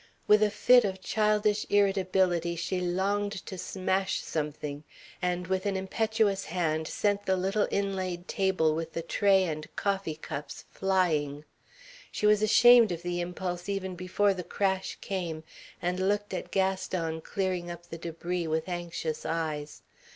With a sudden fit of childish irritability she longed to smash something, and, with an impetuous hand, sent the little inlaid table with the tray and coffee cups flying. She was ashamed of the impulse even before the crash came, and looked at Gaston clearing up the debris with anxious eyes.